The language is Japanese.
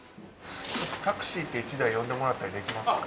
タクシーって１台呼んでもらったりできますか？